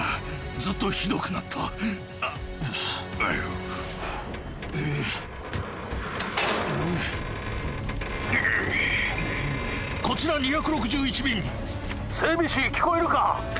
ずっとひどくなったこちら２６１便整備士聞こえるか？